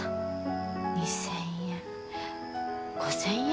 ２，０００円５，０００円？